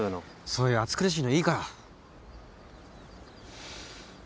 そういう暑苦しいのいいから。